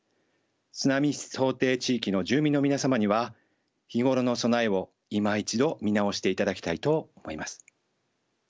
津波想定地域の住民の皆様には日頃の備えをいま一度見直していただきたいと思います。